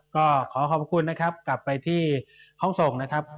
ก็ขอขอบคุณนะครับกลับไปที่ห้องส่งนะครับ